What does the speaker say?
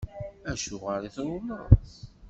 Acuɣeṛ i trewleḍ?